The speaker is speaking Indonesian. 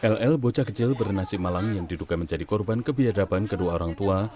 ll bocah kecil bernasib malang yang diduga menjadi korban kebiadaban kedua orang tua